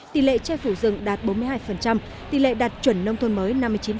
tỷ lệ che phủ rừng đạt bốn mươi hai tỷ lệ đạt chuẩn nông thôn mới năm mươi chín